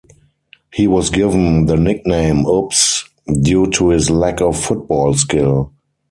He was given the nickname "Oops" due to his lack of football skill.